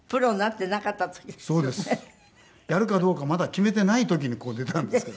やるかどうかまだ決めていない時にここ出たんですから。